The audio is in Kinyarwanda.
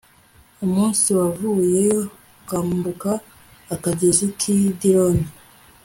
umunsi wavuyeyo ukambuka akagezi kidironi